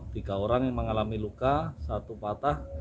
tiga orang yang mengalami luka satu patah